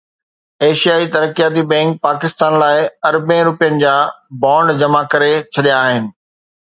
ايشيائي ترقياتي بئنڪ پاڪستان لاءِ اربين رپين جا بانڊ جمع ڪري ڇڏيا آهن